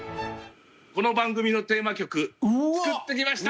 この番組のテーマ曲作ってきました！